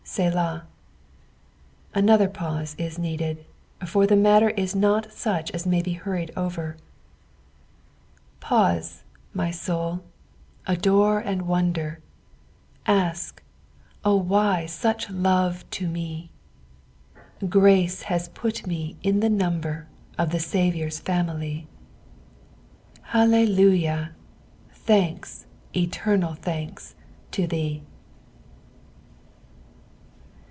'> 8elah. " Another pause is needed, for the matter is not sucb as may be hurried over. " Pause, m; EOnI, adore and wonder, Ask, O why such love to mc F Once bu put ma In tbe namtwr OI the Ssvlour's fsmilv. HaUeluJuli ! Thuka, eternal thanks, lo thee."